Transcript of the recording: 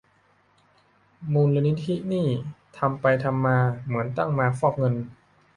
มูลนิธินี่ ทำไปทำมา เหมือนตั้งมาฟอกเงิน !